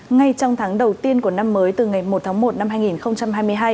ngay trong tháng đầu tiên của năm mới từ ngày một tháng một năm hai nghìn hai mươi hai